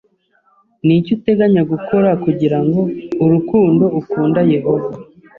Ni iki uteganya gukora kugira ngo urukundo ukunda Yehova